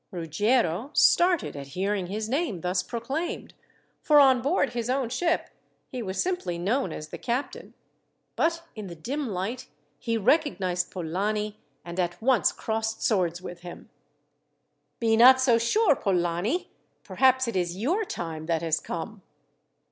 Ruggiero started at hearing his name thus proclaimed, for on board his own ship he was simply known as the captain; but in the dim light he recognized Polani, and at once crossed swords with him. "Be not so sure, Polani. Perhaps it is your time that has come."